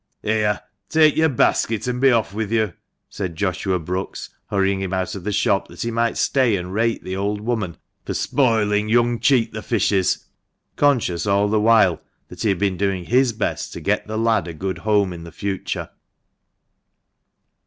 " Here, take your basket, and be off with you !" said Joshua Brookes, hurrying him out of the shop, that he might stay and THE MANCHESTER MAN. 125 rate the old woman for "spoiling young Cheat the fishes," conscious all the while that he had been doing his best to get the lad a good home in the future.